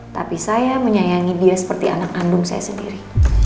tapi saya menyayangi dia seperti anak kandung saya sendiri